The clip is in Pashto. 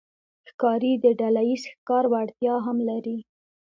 ښکاري د ډلهییز ښکار وړتیا هم لري.